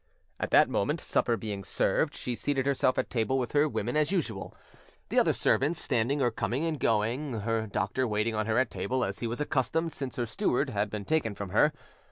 At that moment, supper being served, she seated herself at table with her women as usual, the other servants standing or coming and going, her doctor waiting on her at table as he was accustomed since her steward had been taken from her.